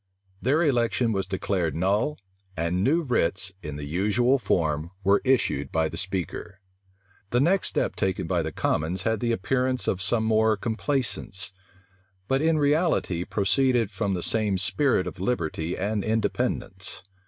Their election was declared null; and new writs, in the usual form, were issued by the speaker. The next step taken by the commons had the appearance of some more complaisance; but in reality proceeded from the same spirit of liberty and independence.